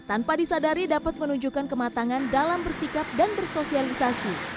tanpa disadari dapat menunjukkan kematangan dalam bersikap dan bersosialisasi